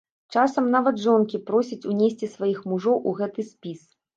Часам нават жонкі просяць унесці сваіх мужоў у гэты спіс.